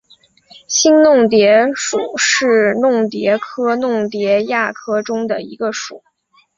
新弄蝶属是弄蝶科弄蝶亚科中的一个属。